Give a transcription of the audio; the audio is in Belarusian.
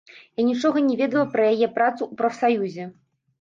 Я нічога не ведала пра яе працу ў прафсаюзе.